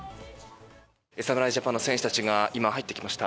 侍ジャパンの選手たちが入ってきました。